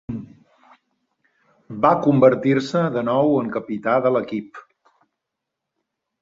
Va convertir-se de nou en capità de l'equip.